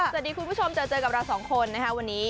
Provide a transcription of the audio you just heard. คุณผู้ชมเจอเจอกับเราสองคนนะคะวันนี้